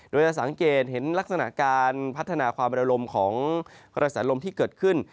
โดยจะสังเกตเห็นลักษณะการพัฒนาความระลมของกระแสลมที่เกิดขึ้น